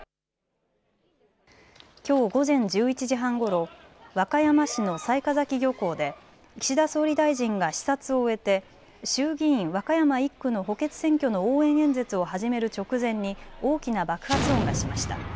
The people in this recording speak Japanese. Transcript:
きょう午前１１時半ごろ、和歌山市の雑賀崎漁港で岸田総理大臣が視察を終えて衆議院和歌山１区の補欠選挙の応援演説を始める直前に大きな爆発音がしました。